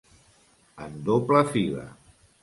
En doble fila.